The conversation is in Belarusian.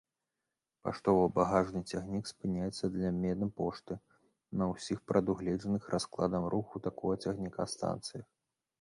Паштова-багажны цягнік спыняецца для абмена пошты на ўсіх прадугледжаных раскладам руху такога цягніка станцыях.